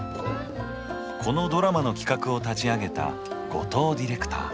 このドラマの企画を立ち上げた後藤ディレクター。